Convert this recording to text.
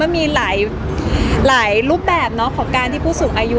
มีหลายรูปแบบของการที่ผู้สูงอายุ